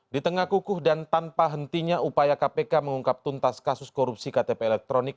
di tengah kukuh dan tanpa hentinya upaya kpk mengungkap tuntas kasus korupsi ktp elektronik